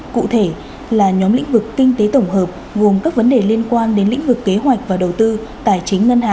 cụ thể là nhóm lĩnh vực kinh tế tổng hợp gồm các vấn đề liên quan đến lĩnh vực kế hoạch và đầu tư tài chính ngân hàng